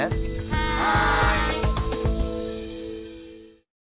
はい！